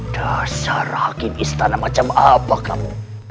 dasar hakim istana macam apa kamu